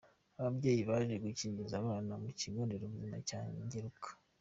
Ababyeyi baje gukingiza abana ku ikigo nderabuzima cya Ngeruka.